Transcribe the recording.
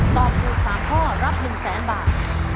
ตอบคลุม๓ข้อรับ๑๐๐๐๐๐๐บาท